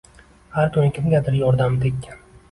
Har kuni kimgadir yordami tekkan